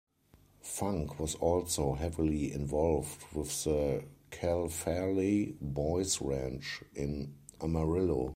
Funk was also heavily involved with the Cal Farley Boys Ranch in Amarillo.